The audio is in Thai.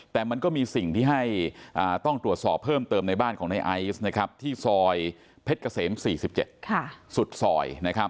แต่มันก็มีสิ่งที่ให้ต้องตรวจสอบเพิ่มเติมในบ้านของในไอซ์ที่ซอยเพชรเกษม๔๗สุดซอย